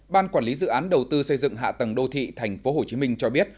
ban quản lý dự án đầu tư xây dựng hạ tầng đô thị tp hcm cho biết